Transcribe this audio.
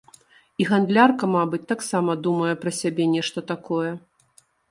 І гандлярка, мабыць, таксама думае пра сябе нешта такое.